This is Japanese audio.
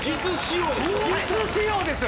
実使用です